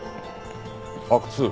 阿久津